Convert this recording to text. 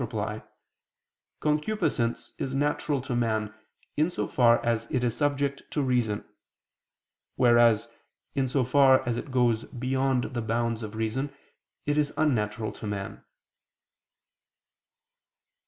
3, ad 1), concupiscence is natural to man, in so far as it is subject to reason: whereas, in so far as it is goes beyond the bounds of reason, it is unnatural to man.